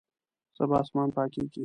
سبا اسمان پاکیږي